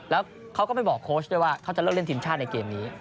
แล้วเขาก็ไม่บอกโค้ชด้วยว่าเขาจะเลิกเล่นทีมชาติในเกมนี้